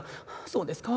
「そうですか。